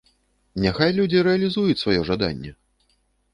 Няхай людзі рэалізуюць сваё жаданне.